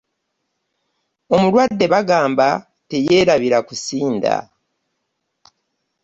Omulwadde bagamba teyeerabira kusinda.